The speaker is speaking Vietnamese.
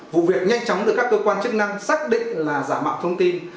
vụ việc nhanh chóng được các cơ quan chức năng xác định là giả mạo thông tin